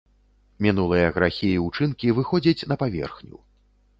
Мінулыя грахі і ўчынкі выходзяць на паверхню.